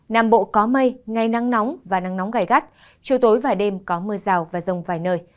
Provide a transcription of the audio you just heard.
nam bộ có mây ngày nắng nóng và nắng nóng gai gắt chiều tối và đêm có mưa rào và rông vài nơi